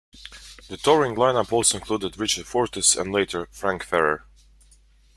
The touring lineup also included Richard Fortus and later, Frank Ferrer.